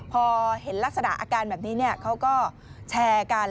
พอเห็นลักษณะอาการแบบนี้เขาก็แชร์กัน